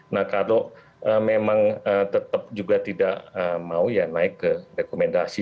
nah kalau memang tetap juga tidak mau ya naik ke rekomendasi